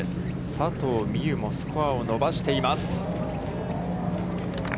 佐藤心結もスコアを伸ばしています。